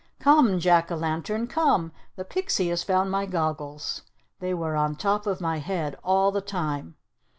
Come, Jack o' Lantern! Come! The pixie has found my goggles. They were on top of my head all the time!"